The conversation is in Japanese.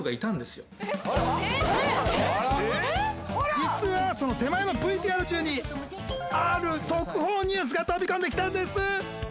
実はその手前のＶＴＲ中にある速報ニュースが飛び込んで来たんです。